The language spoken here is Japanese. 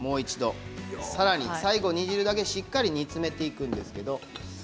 さらに最後、煮汁だけしっかり煮詰めていきます。